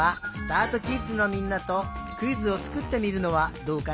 あとキッズのみんなとクイズをつくってみるのはどうかな？